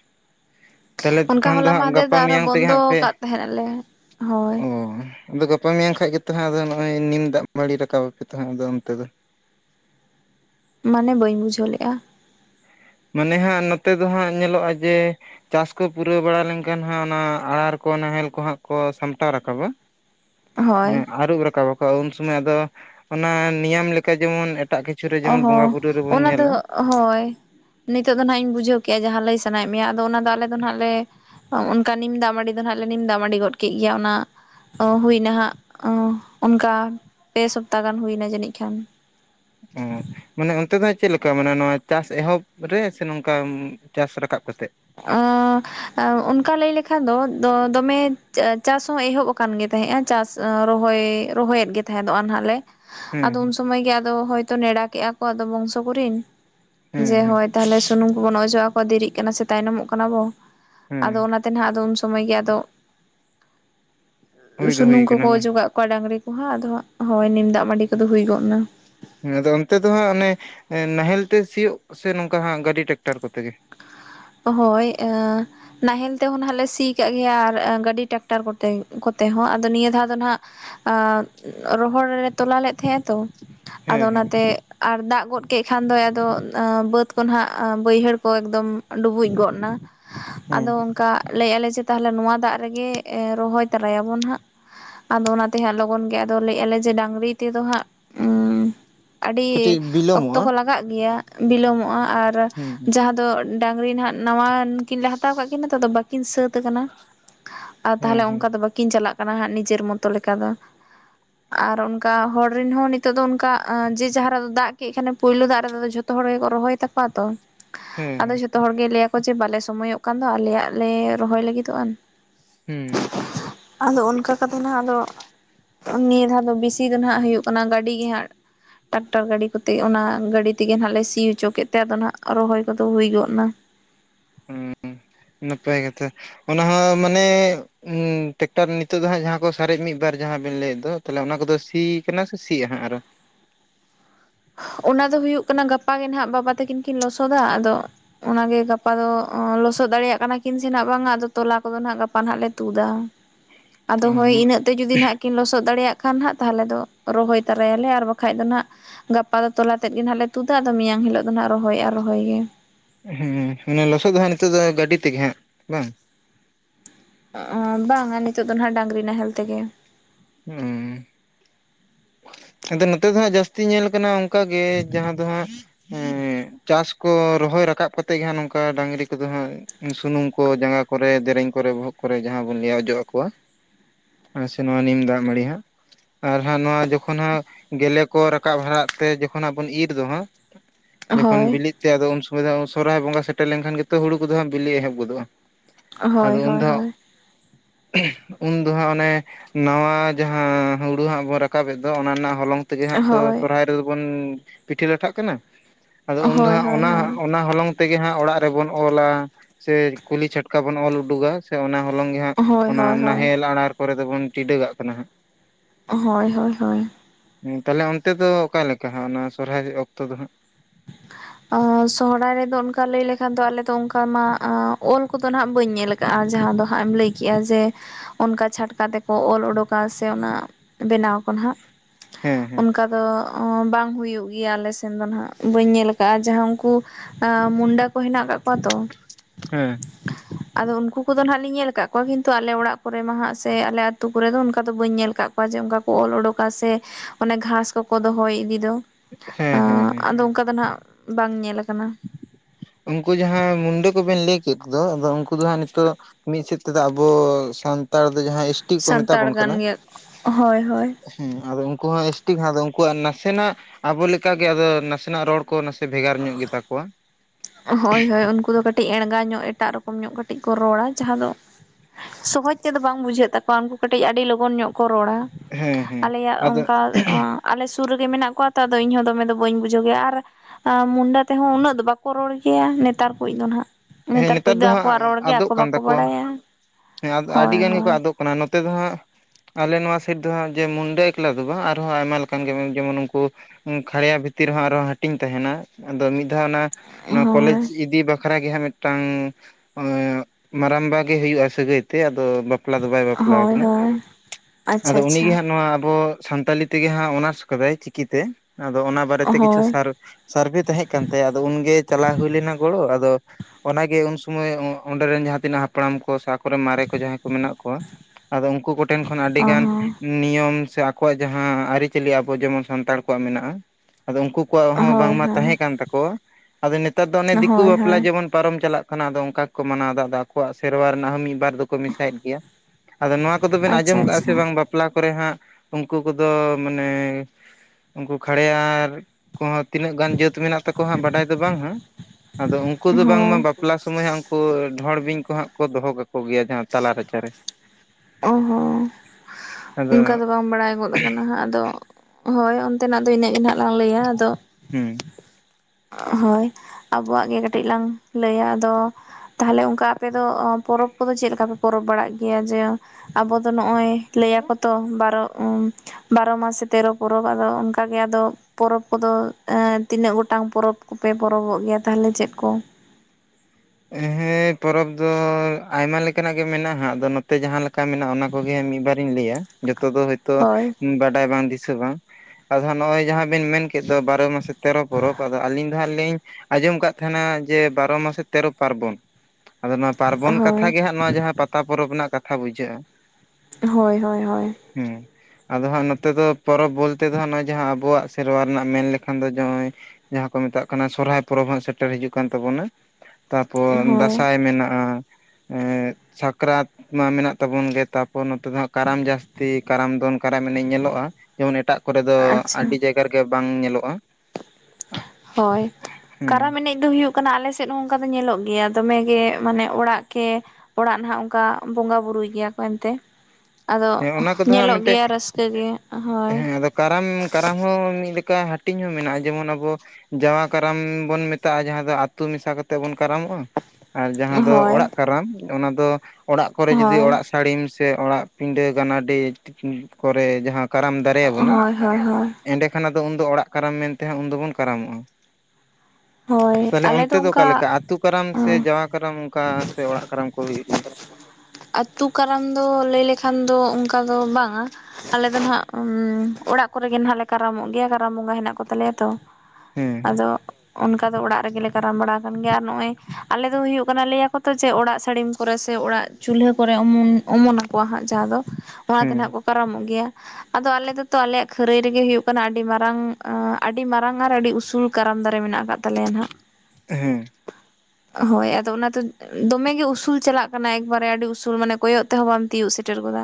Speaker 2: ᱛᱟᱦᱞᱮ
Speaker 1: ᱚᱱᱠᱟ
Speaker 2: ᱠᱷᱟᱱ ᱫᱚ
Speaker 1: ᱦᱚᱞᱟ
Speaker 2: ᱦᱟᱸᱜ
Speaker 1: ᱢᱟᱦᱫᱮᱨ
Speaker 2: ᱜᱟᱯᱟ
Speaker 1: ᱟᱨᱦᱚᱸ
Speaker 2: ᱢᱮᱭᱟᱝ ᱛᱮᱜᱮ
Speaker 1: ᱵᱚᱱᱫᱚ
Speaker 2: ᱦᱟᱸᱜ ᱯᱮ
Speaker 1: ᱟᱠᱟᱫ ᱛᱟᱦᱮᱸᱫ ᱟᱞᱮ ᱦᱳᱭ
Speaker 2: ᱚᱻ ᱟᱫᱚ ᱜᱟᱯᱟ ᱢᱮᱭᱟᱝ ᱠᱷᱟᱡ ᱜᱮᱛᱚ ᱦᱟᱸᱜ ᱟᱫᱚ ᱱᱚᱜᱼᱚᱭ ᱱᱤᱢ ᱫᱟᱜ ᱢᱟᱲᱤ ᱨᱟᱠᱟᱵᱟᱯᱮ ᱛᱚ ᱦᱟᱸᱜ ᱚᱱᱛᱮ ᱫᱚ᱾
Speaker 1: ᱢᱟᱱᱮ ᱵᱟᱹᱧ ᱵᱩᱡᱷᱟᱹᱣ ᱞᱮᱜᱼᱟ᱾
Speaker 2: ᱢᱟᱱᱮ ᱦᱟᱸᱜ ᱱᱚᱛᱮ ᱫᱚ ᱦᱟᱸᱜ ᱧᱮᱞᱚᱜᱼᱟ ᱡᱮ ᱪᱟᱥ ᱠᱚ ᱯᱩᱨᱟᱹᱣ ᱵᱟᱲᱟ ᱞᱮᱱᱠᱷᱟᱱ ᱦᱟᱸᱜ ᱚᱱᱟ ᱟᱲᱟᱨ ᱠᱚ ᱱᱟᱦᱮᱞ ᱠᱚᱦᱟᱸᱜ ᱠᱚ ᱥᱟᱢᱴᱟᱣ ᱨᱟᱠᱟᱵᱟ᱾
Speaker 1: ᱦᱳᱭ
Speaker 2: ᱟᱨᱩᱵ ᱨᱟᱠᱟᱵᱟᱠᱚ ᱩᱱ ᱥᱚᱢᱚᱭ ᱟᱫᱚ ᱚᱱᱟ ᱱᱤᱭᱚᱢ ᱞᱮᱠᱟ ᱡᱮᱢᱚᱱ ᱮᱴᱟᱜ ᱠᱤᱪᱷᱩ ᱵᱤᱪᱷᱚᱨ ᱨᱮ
Speaker 1: ᱚ
Speaker 2: ᱡᱮᱢᱚᱱ ᱵᱚᱸᱜᱟ
Speaker 1: ᱦᱚᱸ
Speaker 2: ᱵᱩᱨᱩ ᱨᱮᱵᱚᱱ
Speaker 1: ᱚᱱᱟ ᱫᱚ
Speaker 2: ᱧᱮᱞᱟ
Speaker 1: ᱦᱳᱭ ᱱᱤᱛᱚᱜ ᱫᱚ ᱱᱟᱜ ᱤᱧ ᱵᱩᱡᱷᱟᱹᱣ ᱠᱮᱜᱼᱟ ᱡᱟᱦᱟᱸ ᱞᱟᱹᱭ ᱥᱟᱱᱟᱭᱮᱫ ᱢᱮᱭᱟ ᱟᱫᱚ ᱚᱱᱟ ᱫᱚ ᱟᱞᱮ ᱫᱚ ᱱᱟᱸᱜ ᱞᱮ ᱚᱱᱠᱟ ᱱᱤᱢ ᱫᱟᱜ ᱢᱟᱰᱤ ᱫᱚ ᱱᱟᱜ ᱞᱮ ᱱᱤᱢ ᱫᱟᱜ ᱢᱟᱰᱤ ᱜᱚᱫ ᱠᱮᱜ ᱜᱮᱭᱟ ᱚᱱᱟ ᱚ ᱦᱩᱭᱱᱟ ᱦᱟᱜ ᱚ ᱚᱱᱠᱟ ᱯᱮ ᱥᱚᱯᱛᱟ ᱜᱟᱱ ᱦᱩᱭ ᱱᱟ ᱡᱟᱱᱤᱡ ᱠᱷᱟᱱ
Speaker 2: ᱚ ᱢᱟᱱᱮ ᱚᱱᱛᱮ ᱫᱚ ᱪᱮᱫ ᱞᱮᱠᱟ ᱢᱟᱱᱮ ᱱᱚᱣᱟ ᱪᱟᱥ ᱮᱦᱚᱵ ᱨᱮ ᱥᱮ ᱱᱚᱝᱠᱟ ᱪᱟᱥ ᱨᱟᱠᱟᱵ ᱠᱟᱛᱮᱜ
Speaker 1: ᱚᱸᱻ ᱚ ᱚᱱᱠᱟ ᱞᱟᱹᱭ ᱞᱮᱠᱷᱟᱱ ᱫᱚ ᱫᱚᱢᱮ ᱪᱟᱥ ᱦᱚᱸ ᱮᱦᱚᱵ ᱠᱟᱱ ᱜᱮ ᱛᱟᱦᱮᱸᱫᱼᱟ᱾ ᱪᱟᱥ ᱟᱸᱨᱚᱦᱚᱭ ᱨᱚᱦᱚᱭᱮᱫ ᱜᱮ ᱛᱟᱦᱮᱸᱫᱚᱜᱼᱟ ᱱᱟᱦᱟᱜ ᱞᱮ᱾ ᱟᱫᱚ
Speaker 2: ᱦᱮᱸ
Speaker 1: ᱩᱱ ᱥᱚᱢᱚᱭ ᱜᱮ ᱟᱫᱚ ᱦᱚᱭᱛᱚ ᱱᱮᱰᱟ ᱠᱮᱜᱼᱟ ᱠᱚ ᱟᱫᱚ ᱵᱚᱝᱥᱚ ᱠᱚᱨᱤᱱ
Speaker 2: ᱦᱮᱸ
Speaker 1: ᱡᱮ
Speaker 2: ᱦᱮᱸ
Speaker 1: ᱦᱳᱭ ᱛᱟᱦᱞᱮ ᱥᱩᱱᱩᱢ ᱠᱚᱵᱚᱱ ᱚᱡᱚᱜ ᱟᱠᱚᱣᱟ ᱫᱮᱨᱤᱜ ᱠᱟᱱᱟ ᱥᱮ ᱛᱟᱭᱱᱚᱢᱚᱜ ᱠᱟᱱᱟ ᱵᱚ
Speaker 2: ᱦᱮᱸ
Speaker 1: ᱟᱫᱚ ᱚᱱᱟ ᱛᱮ ᱱᱟ ᱩᱱ ᱥᱚᱢᱚᱭ ᱜᱮ ᱟᱫᱚ
Speaker 2: ᱦᱩᱭ ᱫᱚ
Speaker 1: ᱥᱩᱱᱩᱢ
Speaker 2: ᱦᱩᱭ
Speaker 1: ᱠᱚ ᱠᱚ
Speaker 2: ᱠᱟᱱᱟ ᱵᱟᱝ
Speaker 1: ᱠᱚᱡᱚᱜᱟᱜ ᱠᱚᱶᱟ ᱰᱟᱝᱨᱤ, ᱩᱱᱠᱩ ᱦᱚᱸ ᱟᱫᱚ ᱦᱳᱭ ᱱᱤᱢ ᱫᱟᱜ ᱢᱟᱹᱰᱤ ᱠᱚᱫᱚ ᱦᱩᱭ ᱜᱚᱫ ᱮᱱᱟ᱾
Speaker 2: ᱟᱫᱚ ᱚᱱᱛᱮ ᱫᱚ ᱦᱟᱸᱜ ᱚᱱᱮ ᱱᱟᱦᱮᱞ ᱛᱮ ᱥᱤᱭᱳᱜ ᱥᱮ ᱱᱚᱝᱠᱟ ᱦᱟᱸᱜ ᱜᱟᱹᱰᱤ ᱴᱨᱟᱠᱴᱟᱨ ᱠᱚᱛᱮ ᱜᱮ,
Speaker 1: ᱦᱳᱭ ᱟᱸᱼᱼ ᱱᱟᱦᱮᱞ ᱛᱮᱦᱚᱸ ᱱᱟᱸᱜ ᱞᱮ ᱥᱤ ᱠᱟᱜ ᱜᱮᱭᱟ ᱟᱨ ᱜᱟᱹᱰᱤ ᱴᱨᱟᱠᱴᱟᱨ ᱠᱚᱛᱮ ᱦᱚᱸ ᱟᱨ ᱟᱫᱚ ᱱᱤᱭᱟᱹ ᱫᱷᱟᱣ ᱫᱚ ᱱᱟᱱᱟᱜ, ᱟᱸ ᱨᱚᱦᱚᱲ ᱞᱮ ᱛᱚᱞᱟ ᱞᱮᱫ ᱛᱟᱦᱮᱸᱜᱱᱟ ᱛᱚ
Speaker 2: ᱦᱮᱸ
Speaker 1: ᱟᱫᱚ
Speaker 2: ᱦᱮᱸ
Speaker 1: ᱚᱱᱟᱛᱮ, ᱟᱨ ᱫᱟᱜ ᱜᱚᱫ ᱠᱮᱫ ᱠᱷᱟᱱ ᱫᱚᱭ ᱟᱫᱚ ᱵᱟᱹᱫᱽ ᱠᱚᱦᱟᱸᱱᱟᱜ ᱵᱟᱹᱭᱦᱟᱹᱲ ᱠᱚ ᱮᱠᱫᱚᱢ᱾ ᱰᱩᱵᱩᱡ ᱜᱚᱫ ᱮᱱᱟ
Speaker 2: ᱦᱮᱸ
Speaker 1: ᱟᱫᱚ᱾ ᱚᱱᱠᱟ ᱞᱟᱹᱭ ᱟᱞᱮ ᱡᱮ ᱛᱟᱦᱚᱞᱮ ᱱᱚᱣᱟ ᱫᱟᱜ ᱨᱮᱜᱮ ᱨᱚᱦᱚᱭ ᱛᱚᱨᱟᱭᱟᱵᱚᱱ ᱦᱟᱸᱜ᱾ ᱟᱫᱚ ᱚᱱᱟᱛᱮ ᱦᱟᱸᱜ ᱞᱚᱜᱚᱱ ᱜᱮ ᱟᱫᱚ ᱞᱟᱹᱭᱼᱟᱞᱮ ᱡᱮ ᱰᱟᱝᱨᱤ ᱛᱮᱫᱚ ᱦᱟᱸᱜ ᱩᱸ ᱟᱹᱰᱤ
Speaker 2: ᱠᱟᱹᱴᱤᱡ
Speaker 1: ᱚᱠᱛᱚ
Speaker 2: ᱵᱤᱞᱚᱢᱚᱜᱼᱟ
Speaker 1: ᱠᱚ ᱞᱟᱜᱟᱜ ᱜᱮᱭᱟ ᱵᱤᱞᱚᱢᱚᱜᱼᱟ ᱟᱨ
Speaker 2: ᱦᱮᱸ ᱦᱮᱸ
Speaker 1: ᱡᱟᱦᱟᱸ ᱫᱚ, ᱰᱟᱝᱨᱤ ᱱᱟᱜ ᱱᱟᱣᱟ ᱠᱤᱱ ᱞᱮ ᱦᱟᱛᱟᱣ ᱠᱟᱫ ᱠᱤᱱᱟᱹ ᱛᱚ ᱵᱟᱹᱠᱤᱱ ᱥᱟᱹᱛ ᱟᱠᱟᱱᱟ᱾ ᱟᱨ
Speaker 2: ᱦᱮᱸ
Speaker 1: ᱛᱟᱦᱚᱞᱮ
Speaker 2: ᱦᱮᱸ
Speaker 1: ᱚᱱᱠᱟ ᱫᱚ ᱵᱟᱹᱠᱤᱱ ᱪᱟᱞᱟᱜ ᱠᱟᱱᱟ ᱦᱟᱸᱜ ᱱᱤᱡᱮᱨ ᱢᱚᱛᱚ ᱞᱮᱠᱟ ᱫᱚ᱾ ᱟᱨ ᱚᱱᱠᱟ ᱦᱚᱲ ᱨᱮᱱ ᱦᱚᱸ ᱱᱤᱛᱚᱜ ᱫᱚ ᱚᱱᱠᱟ ᱡᱮ ᱡᱟᱦᱟᱸ ᱨᱮ ᱫᱟᱜ ᱠᱮᱫ ᱠᱷᱟᱱᱮ ᱯᱳᱭᱞᱳ ᱫᱟᱜ ᱨᱮᱫᱚ ᱡᱚᱛᱚ᱾ ᱡᱚᱛᱚ ᱦᱚᱲ ᱜᱮᱠᱚ ᱨᱚᱦᱚᱭ ᱛᱟᱠᱚᱶᱟ ᱛᱚ ᱟᱫᱚ
Speaker 2: ᱦᱮᱸ
Speaker 1: ᱡᱷᱚᱛᱚ ᱦᱚᱲᱜᱮ ᱞᱟᱹᱭᱟᱠᱚ ᱡᱮ ᱵᱟᱞᱮ ᱥᱚᱢᱚᱭᱚᱜ ᱠᱟᱱ ᱫᱚ ᱟᱞᱮᱭᱟᱜ ᱞᱮ ᱨᱚᱦᱚᱭ ᱞᱟᱹᱜᱤᱫᱚᱜᱼᱟᱱᱼᱼ
Speaker 2: ᱦᱩᱸ
Speaker 1: ᱟᱫᱚ ᱚᱱᱠᱟ ᱠᱟᱛᱮ ᱱᱟᱜ ᱟᱫᱚ ᱱᱤᱭᱟᱹ ᱫᱷᱟᱣ ᱫᱚ ᱵᱮᱥᱤ ᱫᱚ ᱱᱟᱜ ᱦᱩᱭᱩᱜ ᱠᱟᱱᱟ ᱜᱟᱹᱰᱤ ᱜᱮᱱᱟᱸᱜ᱾ ᱴᱟᱠᱴᱟᱨ ᱜᱟᱹᱰᱤ ᱠᱚᱛᱮ ᱚᱱᱟ ᱜᱟᱹᱰᱤ ᱛᱮᱜᱮ ᱱᱟᱜ ᱞᱮ ᱥᱤ ᱦᱚᱪᱚ ᱠᱮᱫ ᱛᱮ ᱟᱫᱚ ᱱᱟᱜ ᱨᱚᱦᱚᱭ ᱠᱚ᱾ ᱫᱚ ᱦᱩᱭ ᱜᱚᱫ ᱮᱱᱟ
Speaker 2: ᱦᱩᱸ ᱦᱩᱸ ᱱᱟᱯᱟᱭ ᱜᱮᱛᱚ ᱚᱱᱟ ᱦᱚᱸ ᱢᱟᱱᱮ᱾ ᱦᱩᱸᱴᱮᱠᱴᱟᱨ ᱱᱤᱛᱚᱜ ᱫᱚ ᱦᱟᱸᱜ ᱡᱟᱦᱟᱸ ᱠᱚ ᱥᱟᱨᱮᱡ ᱢᱤᱫ ᱵᱟᱨ ᱡᱟᱦᱟᱸ ᱵᱮᱱ ᱞᱟᱹᱭᱮᱫ ᱫᱚ ᱛᱟᱦᱚᱞᱮ ᱚᱱᱟ ᱠᱚᱫᱚ ᱥᱤ ᱟᱠᱟᱱᱟ ᱥᱮ ᱥᱤᱜ ᱟᱦᱟᱜ ᱟᱨᱦᱚᱸ
Speaker 1: ᱚᱱᱟ ᱫᱚ ᱦᱩᱭᱩᱜ ᱠᱟᱱᱟ ᱜᱟᱯᱟ ᱜᱮ ᱱᱟᱜ ᱵᱟᱵᱟ ᱛᱟᱹᱠᱤᱱ ᱠᱤᱱ ᱞᱚᱥᱚᱫᱟ ᱟᱫᱚ᱾ ᱚᱱᱟᱜᱮ ᱜᱟᱯᱟ ᱫᱚ ᱞᱚᱥᱚᱫ ᱫᱟᱲᱮᱭᱟᱜ ᱠᱟᱱᱟ ᱠᱤᱱ ᱥᱮ ᱱᱟᱜ ᱵᱟᱝᱼᱟ ᱟᱫᱚ ᱛᱚᱞᱟ ᱠᱚᱫᱚ ᱱᱟᱜ ᱜᱟᱯᱟ ᱱᱟᱜ ᱞᱮ ᱛᱩᱫᱟ᱾
Speaker 2: ᱦᱩᱸ
Speaker 1: ᱟᱫᱚ ᱦᱳᱭ ᱤᱱᱟᱹᱜ ᱛᱮ ᱡᱩᱫᱤ ᱱᱟᱦᱟᱜ ᱠᱤᱱ ᱞᱚᱥᱚᱫ ᱫᱟᱲᱮᱭᱟᱜ ᱠᱷᱟᱱ ᱦᱟᱸᱜ ᱛᱟᱦᱚᱞᱮ ᱫᱚ ᱨᱚᱦᱚᱭ ᱛᱚᱨᱟᱭᱟᱞᱮ ᱟᱨ ᱵᱟᱝᱠᱷᱟᱡ ᱫᱚ ᱱᱟᱜ, ᱜᱟᱯᱟ ᱫᱚ ᱛᱚᱞᱟ ᱛᱮᱫ ᱜᱮ ᱱᱟᱦᱟᱜ ᱞᱮ ᱛᱩᱫᱟ ᱟᱫᱚ ᱢᱮᱭᱟᱝ ᱦᱤᱞᱳᱜ ᱫᱚ ᱨᱚᱦᱚᱭ ᱟᱨ ᱨᱚᱦᱚᱭ ᱜᱮ᱾
Speaker 2: ᱦᱩᱸ ᱢᱟᱱᱮ ᱞᱚᱥᱚᱫ ᱫᱚ ᱦᱟᱸᱜ ᱱᱤᱛᱚᱜ ᱫᱚ ᱜᱟᱹᱰᱤ ᱛᱮᱜᱮ ᱦᱟᱸᱜ ᱵᱟᱝ᱾
Speaker 1: ᱟᱸ ᱵᱟᱝᱟ ᱱᱤᱛᱳ ᱫᱚ ᱱᱟᱜ ᱰᱟᱝᱨᱤ ᱱᱟᱦᱮᱞ ᱛᱮᱜᱮ᱾
Speaker 2: ᱦᱮᱸ ᱟᱫᱚ ᱱᱚᱛᱮ ᱫᱚ ᱦᱟᱸᱜ ᱡᱟᱹᱥᱛᱤ ᱧᱮᱞ ᱠᱟᱱᱟ ᱚᱱᱠᱟᱜ ᱜᱮ ᱡᱟᱦᱟᱸ ᱫᱚ ᱦᱟᱸᱜ, ᱮ ᱪᱟᱥ ᱠᱚ ᱨᱚᱦᱚᱭ ᱨᱟᱠᱟᱵ ᱠᱟᱛᱮᱜ ᱜᱮ ᱦᱟᱸᱜ ᱱᱚᱝᱠᱟ ᱰᱟᱝᱨᱤ ᱠᱚᱫᱚ ᱦᱟᱸᱜ, ᱥᱩᱱᱩᱢ ᱠᱚ ᱡᱟᱸᱜᱟ ᱠᱚᱨᱮ ᱫᱮᱨᱮᱧ ᱠᱚᱨᱮ ᱵᱚᱦᱚᱜ ᱠᱚᱨᱮ ᱡᱟᱦᱟᱸ ᱵᱚᱱ ᱞᱮᱭᱟ ᱚᱡᱚᱜ ᱟᱠᱚᱣᱟ᱾ ᱦᱮᱸ ᱥᱮ ᱱᱚᱣᱟ ᱱᱤᱢ ᱫᱟᱜ ᱢᱟᱹᱲᱤ ᱦᱟᱸᱜ ᱟᱨ ᱦᱟᱸ ᱱᱚᱣᱟ᱾ ᱡᱚᱠᱷᱚᱱ ᱦᱟᱸᱜ ᱜᱮᱞᱮ ᱠᱚ ᱨᱟᱠᱟᱵ ᱦᱟᱨᱟᱜ ᱛᱮ ᱡᱚᱠᱷᱚᱱ ᱦᱟᱸᱜ ᱵᱚᱱ ᱤᱨ ᱫᱚ ᱦᱟᱸ, ᱡᱚᱠᱷᱚᱱ
Speaker 1: ᱦᱳᱭ
Speaker 2: ᱵᱤᱞᱤᱜ ᱛᱮ ᱟᱫᱚ ᱩᱱ ᱥᱚᱢᱚᱭ ᱫᱚ ᱥᱚᱨᱦᱟᱭ ᱵᱚᱸᱜᱟ ᱥᱮᱴᱮᱨ ᱞᱮᱱᱠᱷᱟᱱ ᱜᱮᱛᱚ ᱦᱩᱲᱩ ᱠᱚᱫᱚ ᱦᱟᱸᱜ ᱵᱤᱞᱤ ᱮᱦᱚᱵ ᱜᱚᱫᱚᱜᱼᱟ᱾ ᱟᱫᱚ
Speaker 1: ᱦᱳᱭ ᱦᱳᱭ
Speaker 2: ᱩᱱ
Speaker 1: ᱦᱳᱭ
Speaker 2: ᱫᱷᱚ ᱩᱱ ᱫᱚ ᱦᱟᱸᱜ ᱚᱱᱮ ᱱᱟᱣᱟ ᱡᱟᱦᱟᱸ ᱦᱩᱲᱩ ᱦᱟᱸᱜ ᱵᱚᱱ ᱨᱟᱠ ᱠᱟᱵ ᱮᱫ ᱫᱚ ᱚᱱᱟ ᱨᱮᱱᱟᱜ ᱦᱚᱞᱚᱝ ᱛᱮᱜᱮ ᱦᱟᱸᱜ ᱛᱚ
Speaker 1: ᱦᱳᱭ
Speaker 2: ᱥᱚᱨᱦᱟᱭ ᱨᱮᱫᱚ ᱵᱚᱱ ᱯᱤᱴᱷᱟᱹ ᱞᱟᱴᱷᱟᱜ ᱠᱟᱱᱟ᱾ ᱟᱫᱚ ᱩᱱᱫᱚ
Speaker 1: ᱦᱳᱭ ᱦᱳᱭ ᱦᱳᱭ
Speaker 2: ᱦᱟᱸᱜ ᱚᱱᱟ
Speaker 1: ᱦᱳᱭ
Speaker 2: ᱚᱱᱟ ᱦᱚᱞᱚᱝ ᱛᱮᱜᱮ ᱦᱟᱸᱜ ᱚᱲᱟᱜ ᱨᱮᱵᱚᱱ ᱚᱞᱟ, ᱥᱮ ᱠᱩᱞᱦᱤ ᱪᱷᱟᱴᱠᱟ ᱵᱚᱱ ᱚᱞ ᱩᱰᱩᱜᱟ᱾ ᱥᱮ ᱚᱱᱟ ᱦᱚᱞᱚᱝ ᱜᱮ ᱦᱟᱸᱜ
Speaker 1: ᱦᱳᱭ
Speaker 2: ᱚᱱᱟ
Speaker 1: ᱦᱳᱭ
Speaker 2: ᱱᱟᱦᱮᱞ ᱟᱬᱟᱨ ᱠᱚᱨᱮ ᱫᱚᱵᱚᱱ ᱪᱤᱰᱟᱹᱜᱟᱜ ᱠᱟᱱᱟ ᱦᱟᱸᱜ᱾
Speaker 1: ᱦᱳᱭ ᱦᱳᱭ ᱦᱳᱭ᱾
Speaker 2: ᱩᱸ ᱛᱟᱦᱞᱮ ᱚᱱᱛᱮ ᱫᱚ ᱚᱠᱟ ᱞᱮᱠᱟ ᱦᱟᱸᱜ ᱚᱱᱟ ᱥᱚᱨᱦᱟᱭ ᱚᱠᱛᱚ ᱫᱚ ᱦᱟᱸᱜ? [unintelligible]
Speaker 1: ᱚ ᱥᱚᱦᱲᱟᱭ ᱨᱮᱫᱚ ᱚᱱᱠᱟ ᱞᱮᱭ ᱞᱮᱠᱷᱟᱱ ᱫᱚ ᱟᱞᱮ ᱫᱚ ᱚᱱᱠᱟ ᱢᱟ ᱟ ᱳᱞ ᱠᱚᱫᱚ ᱱᱟᱦᱟᱜ ᱵᱟᱹᱧ ᱧᱮᱞ ᱠᱟᱜ-ᱟ ᱡᱟᱦᱟᱸ ᱫᱚ ᱦᱟᱸᱜ ᱮᱢ ᱞᱟᱹᱭ ᱠᱮᱜ-ᱟ ᱡᱮ ᱚᱱᱠᱟ ᱪᱷᱟᱴᱠᱟ ᱛᱮᱠᱚ ᱚᱞ ᱳᱰᱳᱠᱟ ᱥᱮ ᱚᱱᱟ ᱵᱮᱱᱟᱣ ᱟᱠᱚ ᱱᱟᱦᱟᱸᱜ᱾
Speaker 2: ᱦᱮᱸ ᱦᱮᱸ
Speaker 1: ᱚᱱᱠᱟ ᱫᱚ ᱚᱸ ᱵᱟᱝ ᱦᱩᱭᱩᱜ ᱜᱮᱭᱟ ᱟᱞᱮ ᱥᱮᱱ ᱫᱚ ᱱᱟᱦᱟᱜ᱾ ᱵᱟᱹᱧ ᱧᱮᱞ ᱠᱟᱜᱼᱟ ᱡᱟᱦᱟᱸ ᱩᱱᱠᱩ ᱮᱸ ᱢᱩᱱᱰᱟ ᱠᱚ ᱦᱮᱱᱟᱜ ᱠᱟᱜ ᱠᱚᱣᱟ ᱛᱚ᱾
Speaker 2: ᱦᱮᱸ᱾
Speaker 1: ᱟᱫᱚ ᱩᱱᱠᱩ ᱠᱚᱫᱚ ᱱᱟᱦᱟᱜ ᱞᱤᱧ ᱧᱮᱞ ᱠᱟᱜ ᱠᱚᱣᱟ ᱠᱤᱱᱛᱩ ᱟᱞᱮ ᱚᱲᱟᱜ ᱠᱚᱨᱮ ᱢᱟ ᱦᱟᱸᱜ ᱥᱮ ᱟᱞᱮ ᱟᱛᱩ ᱠᱚᱨᱮ ᱫᱚ ᱚᱱᱠᱟ ᱫᱚ ᱵᱟᱹᱧ ᱧᱮᱞ ᱠᱟᱜ ᱠᱚᱣᱟ ᱡᱮ ᱚᱱᱠᱟ ᱠᱚ ᱚᱞ ᱳᱰᱳᱠᱟ ᱥᱮ ᱚᱱᱮ ᱜᱷᱟᱥ ᱠᱚᱠᱚ ᱫᱚᱦᱚᱭ ᱤᱫᱤ ᱫᱚ᱾
Speaker 2: ᱦᱮᱸ ᱦᱮᱸ ᱦᱮᱸ᱾
Speaker 1: ᱫᱚ ᱚᱱᱠᱟ ᱫᱚ ᱱᱟᱦᱟᱜ ᱵᱟᱝ ᱧᱮᱞ ᱠᱟᱱᱟ᱾
Speaker 2: ᱩᱱᱠᱩ ᱡᱟᱦᱟᱸᱭ ᱢᱩᱱᱰᱟᱹ ᱠᱚᱵᱮᱱ ᱞᱮᱭ ᱠᱮᱫ ᱠᱚᱫᱚ ᱟᱫᱚ ᱩᱱᱠᱩ ᱫᱚ ᱦᱟᱸᱜ ᱱᱤᱛᱳᱜ ᱢᱤᱫ ᱥᱮᱫ ᱛᱮᱫᱚ ᱟᱵᱚ ᱥᱟᱱ ᱛᱟᱲ ᱫᱚ ᱡᱟᱦᱟᱸᱭ ᱮᱥ ᱴᱤ ᱠᱚ ᱢᱮᱛᱟ
Speaker 1: ᱥᱟᱱᱛᱟᱲ
Speaker 2: ᱵᱚᱱ ᱠᱟᱱᱟ,
Speaker 1: ᱠᱟᱱ ᱜᱮᱭᱟ ᱦᱳᱭ ᱦᱳᱭ
Speaker 2: ᱦᱩᱸ ᱟᱫᱚ ᱩᱱᱠᱩ ᱦᱚᱸ ᱮᱥ ᱴᱤ ᱜᱮ ᱦᱟᱸᱜ ᱟᱫᱚ ᱩᱱᱠᱩᱣᱟᱜ ᱱᱟᱥᱮᱱᱟᱜ ᱟᱵᱚ ᱞᱮᱠᱟ ᱜᱮ ᱟᱫᱚ ᱱᱟᱥᱮᱱᱟᱜ ᱨᱚᱲ ᱠᱚ ᱱᱟᱥᱮ ᱵᱷᱮᱜᱟᱨ ᱧᱚᱜ ᱜᱮᱛᱟ ᱠᱚᱣᱟ
Speaker 1: ᱦᱳᱭ ᱦᱳᱭ ᱩᱱᱠᱩ ᱫᱚ ᱠᱟᱹᱴᱤᱡ ᱮᱸᱲᱜᱟ ᱧᱚᱜ ᱮᱴᱟᱜ ᱨᱚᱠᱚᱢ ᱧᱚᱜ ᱠᱟᱹᱴᱤᱡ ᱠᱚ ᱨᱚᱲᱟ ᱡᱟᱦᱟᱸ ᱫᱚ ᱥᱚᱦᱚᱡ ᱛᱮᱫᱚ ᱵᱟᱝ ᱵᱩᱡᱷᱟᱹᱜ ᱛᱟᱠᱚᱣᱟ ᱩᱱᱠᱩ ᱠᱟᱹᱴᱤᱡ ᱟᱹᱰᱤ ᱞᱚᱜᱚᱱ ᱧᱚᱜ ᱠᱚ ᱨᱚᱲᱟ,
Speaker 2: ᱦᱮᱸ ᱦᱮᱸ
Speaker 1: ᱟᱞᱮᱭᱟᱜ
Speaker 2: ᱟᱫᱚ
Speaker 1: ᱚᱱᱠᱟ ᱚᱸ ᱟᱞᱮ ᱥᱩᱨ ᱨᱮᱜᱮ ᱢᱮᱱᱟᱜ ᱠᱚᱣᱟ ᱛᱚ ᱟᱫᱚ ᱤᱧ ᱦᱚᱸ ᱫᱚᱢᱮ ᱫᱚ ᱵᱟᱹᱧ ᱵᱩᱡᱷᱟᱹᱣ ᱜᱮᱭᱟ ᱟᱨ ᱟᱸ ᱢᱩᱱᱰᱟ ᱛᱮᱦᱚᱸ ᱩᱱᱟᱹᱜ ᱫᱚ ᱵᱟ ᱠᱚ ᱨᱚᱲ ᱜᱮᱭᱟ, ᱱᱮᱛᱟᱨ ᱠᱚᱭᱤᱡ ᱫᱚ ᱱᱟᱦᱟᱜ᱾
Speaker 2: ᱦᱮᱸ
Speaker 1: ᱱᱮᱛᱟᱨ ᱠᱚᱭᱤᱡ ᱫᱚ ᱟᱠᱚᱣᱟᱜ
Speaker 2: ᱦᱟᱸᱜ
Speaker 1: ᱨᱚᱲ ᱜᱮ ᱟᱠᱚ
Speaker 2: ᱟᱫᱚᱜ ᱠᱟᱱ
Speaker 1: ᱵᱟᱠᱚ
Speaker 2: ᱛᱟᱠᱚᱣᱟ
Speaker 1: ᱵᱟᱲᱟᱭᱟ, ᱦᱳᱭ ᱦᱳᱭ᱾
Speaker 2: ᱠᱚᱱᱟ ᱱᱚᱛᱮ ᱫᱚ ᱦᱟᱸᱜ ᱟᱞᱮ ᱱᱚᱣᱟ ᱥᱟᱭᱤᱰ ᱫᱚ ᱦᱟᱸᱜ ᱡᱮ ᱢᱩᱱᱰᱟᱹ ᱮᱠᱞᱟ ᱫᱚ ᱵᱟᱝ ᱟᱨᱦᱚᱸ ᱟᱭᱢᱟ ᱞᱮᱠᱟᱱ ᱜᱮ ᱢᱮ ᱡᱮᱢᱚᱱ ᱩᱱᱠᱩ ᱩᱸ ᱠᱷᱟᱲᱭᱟ ᱵᱷᱤᱛᱤᱨ ᱨᱮᱦᱚᱸ ᱟᱨᱚ ᱦᱟᱹᱴᱤᱧ ᱛᱟᱦᱮᱱᱟ, ᱟᱫᱚ ᱢᱤᱫ ᱫᱷᱟᱣ ᱚᱱᱟ ᱱᱚᱣᱟ
Speaker 1: ᱦᱳᱭ
Speaker 2: ᱠᱚᱞᱮᱡᱽ ᱤᱫᱤ ᱵᱟᱠᱷᱨᱟ ᱜᱮ ᱦᱟᱸᱜ ᱢᱤᱫ ᱴᱟᱝ ᱟᱸ ᱢᱟᱨᱟᱢᱵᱟ ᱜᱮ ᱦᱩᱭᱩᱜᱼᱟ ᱥᱟᱹᱜᱟᱹᱭ ᱛᱮ ᱟᱫᱚ ᱵᱟ ᱯᱞᱟ ᱫᱚ ᱵᱟᱭ ᱵᱟᱯᱞᱟᱣ
Speaker 1: ᱦᱳᱭ
Speaker 2: ᱠᱟᱱᱟ,
Speaker 1: ᱦᱳᱭ
Speaker 2: ᱟᱫᱚ
Speaker 1: ᱟᱪᱪᱷᱟ
Speaker 2: ᱩᱱᱤ
Speaker 1: ᱟᱪᱪᱷᱟ
Speaker 2: ᱜᱮ ᱦᱟᱸᱜ ᱱᱚᱣᱟ ᱟᱵᱚ ᱥᱟᱱᱛᱟᱞᱤ ᱛᱮᱜᱮ ᱦᱟᱸᱜ ᱚᱱᱟᱨᱥ ᱠᱟᱫᱟᱭ ᱪᱤᱠᱤ ᱛᱮ, ᱟᱫᱚ ᱚᱱᱟ ᱵᱟᱨᱮ ᱛᱮ ᱠᱤᱪᱷᱩ
Speaker 1: ᱦᱳᱭ
Speaker 2: ᱥᱟᱨ ᱥᱟᱨᱵᱷᱮ ᱛᱟᱦᱮᱸᱜ ᱠᱟᱱ ᱛᱟᱭᱟ ᱟᱫᱚ ᱩᱱᱜᱮ ᱪᱟᱞᱟᱣ ᱦᱩᱭ ᱞᱮᱱᱟ ᱜᱚᱲᱚ ᱟᱫᱚ ᱚᱱᱟ ᱜᱮ ᱩᱱ ᱥᱩᱢᱟᱹᱭ ᱚᱸ ᱚᱸᱰᱮᱨᱮᱱ ᱡᱟᱦᱟᱸ ᱛᱤᱱᱟᱹᱜ ᱦᱟᱯᱲᱟᱢ ᱠᱚ ᱥᱟ ᱠᱚᱨᱮᱱ ᱢᱟᱨᱮ ᱠᱚ ᱡᱟᱦᱟᱸᱭ ᱠᱚ ᱢᱮᱱᱟᱜ ᱠᱚᱣᱟ, ᱟᱫᱚ ᱩᱱᱠᱩ ᱠᱚᱴᱷᱮᱱ ᱠᱷᱚᱱ ᱟᱹᱰᱤ
Speaker 1: ᱚ
Speaker 2: ᱜᱟᱱ
Speaker 1: ᱦᱚᱸ
Speaker 2: ᱱᱤᱭᱚᱢ ᱥᱮ ᱟᱠᱚᱣᱟᱜ ᱡᱟᱦᱟᱸ ᱟᱹᱨᱤᱪᱟᱹᱞᱤ ᱟᱵᱚ ᱡᱮᱢᱚᱱ ᱥᱟᱱᱛᱟᱲ ᱠᱚᱣᱟᱜ ᱢᱮᱱᱟᱜᱼᱟ, ᱟᱫᱚ ᱩᱱᱠᱩ ᱠᱚᱣᱟᱜ ᱦᱚᱸ
Speaker 1: ᱦᱳᱭ
Speaker 2: ᱵᱟᱝᱢᱟ
Speaker 1: ᱦᱳᱭ
Speaker 2: ᱛᱟᱦᱮᱸ ᱠᱟᱱ ᱛᱟᱠᱚᱣᱟ, ᱟᱫᱚ ᱱᱮᱛᱟᱨ ᱫᱚ ᱚᱱᱮ ᱫᱤᱠᱩ
Speaker 1: ᱦᱳᱭ
Speaker 2: ᱵᱟᱯᱞᱟ
Speaker 1: ᱦᱳᱭ
Speaker 2: ᱡᱮᱢᱚᱱ ᱯᱟᱨᱚᱢ ᱪᱟᱞᱟᱜ ᱠᱟᱱᱟ ᱟᱫᱚ ᱚᱱᱠᱟ ᱠᱚ ᱢᱟᱱᱟᱣ ᱫᱟ, ᱟᱫᱚ ᱟᱠᱚᱣᱟᱜ ᱥᱮᱨᱣᱟ ᱨᱮᱱᱟᱜ ᱦᱚᱸ ᱢᱤᱫ ᱵᱟᱨ ᱫᱚ ᱠᱚ ᱢᱮᱥᱟᱭᱮᱫ ᱜᱮᱭᱟ, ᱟᱫᱚ ᱱᱚᱣᱟ ᱠᱚᱫᱚ ᱵᱮᱱ
Speaker 1: ᱟᱪᱪᱷᱟ
Speaker 2: ᱟᱸᱡᱚᱢ ᱠᱟᱜᱼᱟ ᱥᱮ
Speaker 1: ᱟᱪᱪᱷᱟ
Speaker 2: ᱵᱟᱝ ᱵᱟᱯ ᱯᱞᱟ ᱠᱚᱨᱮ ᱦᱟᱸᱜ ᱩᱱᱠᱩ ᱠᱚᱫᱚ ᱢᱟᱱᱮ ᱩᱱᱠᱩ ᱠᱷᱟᱲᱭᱟᱨ ᱠᱚᱦᱚᱸ ᱛᱤᱱᱟᱹᱜ ᱜᱟᱱ ᱡᱟᱹᱛ ᱢᱮᱱᱟᱜ ᱛᱟᱠᱚᱣᱟ ᱦᱟᱸᱜ ᱵᱟᱰᱟᱭ ᱫᱚ ᱵᱟᱝ ᱦᱟᱸᱜ ᱟᱫᱚ ᱩᱱᱠᱩ ᱫᱚ
Speaker 1: ᱦᱳᱭ
Speaker 2: ᱯᱞᱟ ᱥᱚᱢᱚᱭ ᱦᱟᱸᱜ ᱩᱱᱠᱩ ᱰᱷᱚᱸᱲ ᱵᱤᱧ ᱠᱚ ᱦᱟᱸᱜ ᱠᱚ ᱫᱚᱦᱚ ᱠᱟᱠᱚ ᱜᱮᱭᱟ ᱡᱟᱦᱟᱸ ᱛᱟᱞᱟ ᱨᱟᱪᱟᱨᱮ᱾
Speaker 1: ᱚ ᱦᱚᱸ᱾ ᱚᱱᱠᱟ
Speaker 2: ᱟᱫᱚ
Speaker 1: ᱫᱚ ᱵᱟᱝ ᱵᱟᱲᱟᱭ ᱜᱚᱫ ᱟᱠᱟᱱᱟ ᱦᱟᱸᱜ ᱟᱫᱚ, ᱦᱳᱭ ᱚᱱᱛᱮᱱᱟᱜ ᱫᱚ ᱤᱱᱟᱹᱜ ᱜᱮ ᱱᱟᱦᱟᱜ ᱞᱟᱝ ᱞᱟᱹᱭᱟ ᱟᱫᱚ
Speaker 2: ᱦᱩ᱾ᱸ
Speaker 1: ᱦᱳᱭ ᱟᱵᱚᱣᱟᱜ ᱜᱮ ᱠᱟᱹᱴᱤᱡ ᱞᱟᱝ ᱞᱟᱹᱭᱟ ᱟᱫᱚ ᱛᱟᱦᱚᱞᱮ ᱚᱱᱠᱟ ᱟᱯᱮ ᱫᱚ ᱯᱚᱨᱚᱵᱽ ᱠᱚᱫᱚ ᱪᱮᱫ ᱞᱮᱠᱟ ᱯᱮ ᱯᱚᱨᱚᱵᱽ ᱵᱟᱲᱟᱜ ᱜᱮᱭᱟ ᱡᱮ ᱟᱵᱚ ᱫᱚ ᱱᱚᱜᱼᱚᱭ ᱞᱟᱹᱭ ᱟᱠᱚ ᱛᱚ ᱵᱟᱨᱚ ᱮᱸ ᱵᱟᱨᱚ ᱢᱟᱥᱮ ᱛᱮᱨᱚ ᱯᱚᱨᱚᱵᱽ ᱟᱫᱚ ᱚᱱᱠᱟ ᱜᱮ ᱟᱫᱚ ᱯᱚᱨᱚᱵᱽ ᱠᱚᱫᱚ ᱮᱸ ᱛᱤᱱᱟᱹᱜ ᱜᱚᱴᱟᱝ ᱯᱚᱨᱚᱵᱽ ᱠᱚᱯᱮ ᱯᱚᱨᱚᱵᱚᱜ ᱜᱮᱭᱟ ᱛᱟᱦᱞᱮ ᱪᱮᱫ ᱠᱚ?
Speaker 2: ᱮ ᱦᱮᱸ ᱯᱚᱨᱚᱵᱽ ᱫᱚ ᱟᱭᱢᱟ ᱞᱮᱠᱟᱱᱟᱜ ᱜᱮ ᱢᱮᱱᱟᱜᱼᱟ ᱟᱫᱚ ᱱᱚᱛᱮ ᱡᱟᱦᱟᱸ ᱞᱮᱠᱟ ᱢᱮᱱᱟᱜᱼᱟ ᱚᱱᱟ ᱠᱚᱜᱮ ᱢᱤᱫ ᱵᱟᱨᱤᱧ ᱞᱟᱹᱭᱟ ᱡᱚᱛᱚ ᱫᱚ ᱦᱳᱭᱛᱚ
Speaker 1: ᱦᱳᱭ
Speaker 2: ᱵᱟᱰᱟᱭ ᱵᱟᱝ ᱫᱤᱥᱟᱹ ᱵᱟᱝ ᱟᱫᱚ ᱦᱟᱸᱜ ᱱᱚᱜᱼᱚᱭ ᱡᱟᱦᱟᱸ ᱠᱚ ᱵᱮᱱ ᱢᱮᱱ ᱠᱮᱫ ᱫᱚ ᱵᱟᱨᱚ ᱢᱟᱥᱮ ᱛᱮᱨᱚ ᱯᱚᱨᱚᱵᱽ ᱟᱫᱚ ᱟᱹᱞᱤᱧ ᱫᱚ ᱦᱟᱸᱜ ᱞᱤᱧ ᱟᱸᱡᱚᱢ ᱟᱠᱟᱫ ᱛᱟᱦᱮᱱᱟ ᱡᱮ ᱵᱟᱨᱚ ᱢᱟᱥᱮ ᱛᱮᱨᱚ ᱯᱟᱨᱵᱚᱱ ᱟᱫᱚ ᱱᱚᱣᱟ ᱯᱟᱨᱵᱚᱱ
Speaker 1: ᱦᱳᱭ
Speaker 2: ᱠᱟᱛᱷᱟ ᱜᱮ ᱦᱟᱸᱜ ᱱᱚᱣᱟ ᱡᱟᱦᱟᱸ ᱯᱟᱛᱟ ᱯᱚᱨᱚᱵᱽ ᱨᱮᱱᱟᱜ ᱠᱟᱛᱷᱟ ᱵᱩᱡᱷᱟᱹᱜ-ᱟ᱾
Speaker 1: ᱦᱚᱭ ᱦᱚᱭ ᱦᱚᱭ ᱾
Speaker 2: ᱦᱩᱸ ᱾ ᱟᱫᱚ ᱦᱟᱸᱜ ᱱᱚᱛᱮ ᱫᱚ ᱯᱚᱨᱚᱵᱽ ᱵᱚᱞᱛᱮ ᱫᱚ ᱦᱟᱸᱜ ᱱᱚᱜ-ᱚᱭ ᱡᱟᱦᱟᱸ ᱟᱵᱚᱣᱟᱜ ᱥᱮᱨᱣᱟ ᱨᱮᱱᱟᱜ ᱢᱮᱱ ᱞᱮᱠᱷᱟᱱ ᱫᱚ ᱡᱮ ᱦᱚᱸᱜ-ᱚᱭ ᱾ ᱡᱟᱦᱟᱸ ᱠᱚ ᱢᱮᱛᱟᱜ ᱠᱟᱱᱟ ᱥᱚᱨᱦᱟᱭ ᱯᱚᱨᱚᱵᱽ ᱦᱟᱸᱜ ᱥᱮᱴᱮᱨ ᱦᱤᱡᱩᱜ ᱠᱟᱱ ᱛᱟᱵᱚᱱᱟ᱾ ᱛᱟᱯᱚᱨ
Speaker 1: ᱦᱳᱭ
Speaker 2: ᱫᱟᱸᱥᱟᱭ ᱢᱮᱱᱟᱜ-ᱟ ᱮᱸᱜ ᱥᱟᱠᱨᱟᱛ ᱢᱟ ᱢᱮᱱᱟᱜ ᱛᱟᱵᱚᱱ ᱜᱮ ᱛᱟᱨᱯᱚᱨ ᱱᱚᱛᱮ ᱫᱚ ᱦᱟᱸᱜ ᱠᱟᱨᱟᱢ ᱡᱟᱹᱥᱛᱤ ᱠᱟᱨᱟᱢ ᱫᱚᱱ ᱠᱟᱨᱟᱢ ᱮᱱᱮᱡ ᱧᱮᱞᱚᱜ-ᱟ ᱡᱮᱢᱚᱱ ᱮᱴᱟᱜ ᱠᱚᱨᱮ ᱫᱚ
Speaker 1: ᱟᱪᱪᱷᱟ
Speaker 2: ᱟᱹᱰᱤ ᱡᱟᱭᱜᱟ ᱨᱮᱜᱮ ᱵᱟᱝ ᱧᱮᱞᱚᱜ-ᱟ᱾
Speaker 1: ᱦᱳᱭ
Speaker 2: ᱦᱮᱸ
Speaker 1: ᱠᱟᱨᱟᱢ ᱮᱱᱮᱡ ᱫᱚ ᱦᱩᱭᱩᱜ ᱠᱟᱱᱟ ᱟᱞᱮ ᱥᱮᱫ ᱦᱚᱸ ᱚᱱᱠᱟ ᱫᱚ ᱧᱮᱞᱚᱜ ᱜᱮᱭᱟ ᱫᱚᱢᱮ ᱜᱮ ᱢᱟᱱᱮ ᱚᱲᱟᱜ ᱠᱮ ᱚᱲᱟᱜ ᱱᱟᱦᱟᱜ ᱚᱝᱠᱟ ᱵᱚᱸᱜᱟ ᱵᱩᱨᱩᱭ ᱜᱮᱭᱟ ᱠᱚ ᱮᱱᱛᱮ ᱾ ᱟᱫᱚ ᱚᱷ
Speaker 2: ᱦᱮᱸ ᱚᱱᱟ ᱠᱚᱫᱚ ᱦᱟᱸᱜ
Speaker 1: ᱧᱮᱞᱚᱜ
Speaker 2: ᱢᱤᱫᱴᱮᱡ
Speaker 1: ᱜᱮᱭᱟ ᱨᱟᱹᱥᱠᱟᱹ ᱜᱮ ᱦᱚᱭ
Speaker 2: ᱦᱮᱸ
Speaker 1: ᱾
Speaker 2: ᱟᱫᱚ ᱠᱟᱨᱟᱢ ᱠᱟᱨᱟᱢ ᱦᱚᱸ ᱢᱤᱫ ᱞᱮᱠᱟ ᱦᱟᱹᱴᱤᱧ ᱦᱚᱸ ᱢᱮᱱᱟᱜ-ᱟ ᱡᱮᱢᱚᱱ ᱟᱹᱵᱩ ᱡᱟᱣᱟ ᱠᱟᱨᱟᱢ ᱵᱚᱱ ᱢᱮᱛᱟᱜ-ᱟ ᱡᱟᱦᱟᱸ ᱫᱚ ᱟᱛᱩ ᱢᱮᱥᱟ ᱠᱟᱛᱮᱫ ᱵᱚᱱ ᱠᱟᱨᱟᱢᱚᱜ-ᱟ᱾ ᱟᱨ ᱡᱟᱦᱟᱸ ᱫᱚ
Speaker 1: ᱦᱳᱭ
Speaker 2: ᱚᱲᱟᱜ ᱠᱟᱨᱟᱢ ᱚᱱᱟ ᱫᱚ ᱚᱲᱟᱜ ᱠᱚᱨᱮ ᱡᱩᱫᱤ
Speaker 1: ᱦᱳᱭ
Speaker 2: ᱚᱲᱟᱜ ᱥᱟᱹᱲᱤᱢ ᱥᱮ ᱚᱲᱟᱜ ᱯᱤᱸᱰᱟᱹ ᱜᱟᱱᱟᱰᱤ ᱠᱚᱨᱮ ᱡᱟᱦᱟᱸ ᱠᱟᱨᱟᱢ ᱫᱟᱨᱮᱭᱟᱵᱚᱱᱟ᱾
Speaker 1: ᱦᱳᱭ ᱦᱳᱭ ᱦᱳᱭ
Speaker 2: ᱮᱸᱰᱮ ᱠᱷᱟᱱ ᱟᱫᱚ ᱩᱱ ᱫᱚ ᱚᱲᱟᱜ ᱠᱟᱨᱟᱢ ᱢᱮᱱᱛᱮ ᱦᱟᱸᱜ ᱩᱱ ᱫᱚᱵᱩᱱ ᱠᱟᱨᱟᱢᱚᱜ-ᱟ᱾
Speaker 1: ᱦᱳᱭ
Speaker 2: ᱛᱟᱦᱚᱞᱮ
Speaker 1: ᱟᱞᱮ
Speaker 2: ᱚᱱᱛᱮ ᱫᱚ ᱚᱠᱟ
Speaker 1: ᱚᱱᱠᱟ
Speaker 2: ᱞᱮᱠᱟ ᱟᱹᱛᱩ ᱠᱟᱨᱟᱢ ᱥᱮ ᱡᱟᱣᱟ ᱠᱟᱨᱟᱢ ᱚᱱᱠᱟ ᱥᱮ ᱚᱲᱟᱜ ᱠᱟᱨᱟᱢ ᱠᱚ ᱦᱩᱭᱩᱜ ᱜᱮᱭᱟ?
Speaker 1: ᱟᱹᱛᱩ ᱠᱟᱨᱟᱢ ᱫᱚ ᱞᱟᱹᱭ ᱞᱮᱠᱷᱟᱱ ᱫᱚ ᱚᱝᱠᱟ ᱫᱚ ᱵᱟᱝᱼᱟ᱾ ᱟᱞᱮ ᱫᱚ ᱱᱟᱦᱟᱸᱜ ᱩᱸ ᱚᱲᱟᱜ ᱠᱚᱨᱮᱜᱮ ᱱᱟᱦᱟᱸᱜ ᱞᱮ ᱠᱟᱨᱟᱢᱚᱜ ᱜᱮᱭᱟ ᱠᱟᱨᱟᱢ ᱵᱚᱸᱜᱟ ᱦᱮᱱᱟᱜ ᱠᱚ ᱛᱟᱞᱮᱭᱟ ᱛᱚ ᱾
Speaker 2: ᱦᱮᱸ
Speaker 1: ᱟᱫᱚ ᱾ ᱚᱱᱠᱟ ᱫᱚ ᱚᱲᱟᱜ ᱨᱮᱜᱮᱞᱮ ᱠᱟᱨᱟᱢ ᱵᱟᱲᱟ ᱠᱟᱱ ᱜᱮᱭᱟ ᱟᱨ ᱱᱚᱜ-ᱚᱭ ᱟᱞᱮ ᱫᱚ ᱦᱩᱭᱩᱜ ᱠᱟᱱᱟ ᱞᱟᱹᱭᱟ ᱠᱚ ᱛᱚ ᱡᱮ ᱚᱲᱟᱜ ᱥᱟᱹᱲᱤᱢ ᱠᱚᱨᱮ ᱥᱮ ᱚᱲᱟᱜ ᱪᱩᱞᱦᱟᱹ ᱠᱚᱨᱮ ᱚᱢᱚᱱ ᱚᱢᱚᱱᱟ ᱠᱚᱣᱟ ᱦᱟᱸᱜ ᱡᱟᱦᱟᱸ ᱫᱚ ᱚᱱᱟᱛᱮ
Speaker 2: ᱦᱮᱸ
Speaker 1: ᱱᱟᱦᱟᱸᱜ ᱠᱚ ᱠᱟᱨᱟᱢᱚᱜ ᱜᱮᱭᱟ᱾ ᱟᱫᱚ ᱟᱞᱮ ᱫᱚᱛᱚ ᱟᱞᱮᱭᱟᱜ ᱠᱷᱟᱹᱨᱟᱹᱭ ᱨᱮᱜᱮ ᱦᱩᱭᱩᱜ ᱠᱟᱱᱟ ᱟᱹᱰᱤ ᱢᱟᱨᱟᱝ ᱟᱸ ᱟᱹᱰᱤ ᱢᱟᱨᱟᱝ ᱟᱨ ᱟᱹᱰᱤ ᱩᱥᱩᱞ ᱠᱟᱨᱟᱢ ᱫᱟᱨᱮ ᱢᱮᱱᱟᱜ ᱟᱠᱟᱫ ᱛᱟᱞᱮᱭᱟ ᱱᱟᱦᱟᱸᱜ
Speaker 2: ᱦᱮᱸ
Speaker 1: ᱾ ᱦᱚᱭ ᱟᱫᱚ ᱚᱱᱟ ᱫᱚ ᱫᱚᱢᱮ ᱜᱮ ᱩᱥᱩᱞ ᱪᱟᱞᱟᱜ ᱠᱟᱱᱟ᱾ ᱢᱟᱱᱮ ᱟᱹᱰᱤ ᱩᱥᱩᱞ ᱢᱟᱱᱮ ᱠᱚᱭᱚᱜ ᱛᱮᱦᱚᱸ ᱵᱟᱢ ᱛᱤᱭᱳᱜ ᱥᱮᱴᱮᱨ ᱜᱚᱫᱟ᱾